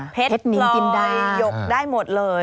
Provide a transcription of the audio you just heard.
เผ็ดลอยหยกได้หมดเลย